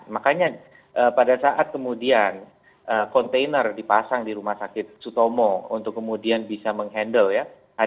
makanya pada saat kemudian kontainer dipasang di rumah sakit sutomo untuk kemudian bisa menghandle ya